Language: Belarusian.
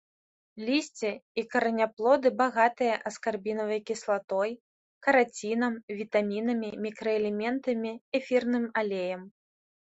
Лісце і караняплоды багатыя аскарбінавай кіслатой, карацінам, вітамінамі, мікраэлементамі, эфірным алеем.